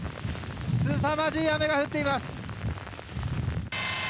すさまじい雨が降っています。